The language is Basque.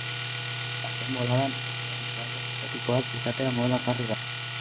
Azken boladan, etxean animalia exotikoak izatea modan jarri da.